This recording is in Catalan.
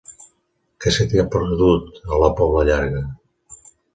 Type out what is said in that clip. Què se t'hi ha perdut, a la Pobla Llarga?